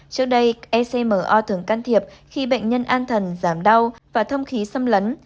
trước đây ecmo thường can thiệp khi bệnh nhân an thần giảm đau và thông khí xâm lấn